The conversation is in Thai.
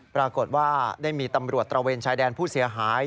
ปรากฏว่าได้มีตำรวจตระเวนชายแดนผู้เสียหาย